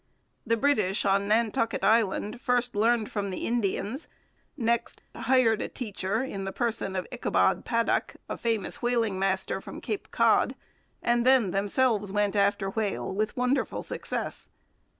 The British on Nantucket Island first learned from the Indians, next hired a teacher, in the person of Ichabod Paddock, a famous whaling master from Cape Cod, and then themselves went after whale with wonderful success.